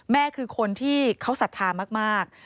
แม่คือคนที่เขาศรัทธามาก